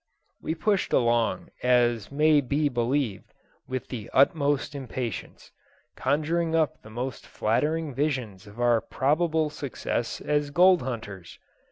We pushed along, as may be believed, with the utmost impatience, conjuring up the most flattering visions of our probable success as gold hunters.